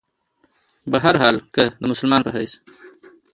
بهرحال کۀ د مسلمان پۀ حېث